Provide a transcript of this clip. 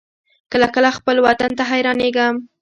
کله کله خپل وطن ته حيرانېږم.